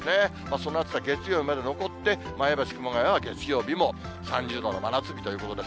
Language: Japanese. その暑さ、月曜日まで残って、前橋、熊谷は、月曜日も３０度の真夏日ということです。